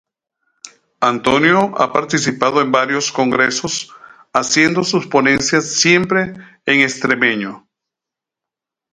Antonio ha participado en varios congresos haciendo sus ponencias siempre en extremeño.